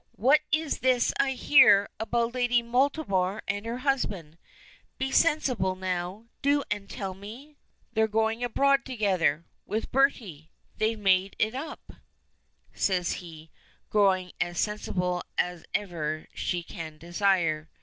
"What is this I hear about Lady Baltimore and her husband? Be sensible now, do, and tell me." "They're going abroad together with Bertie. They've made it up," says he, growing as sensible as even she can desire.